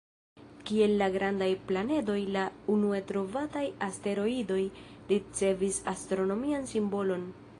Kiel la "grandaj" planedoj, la unue-trovataj asteroidoj ricevis astronomian simbolon.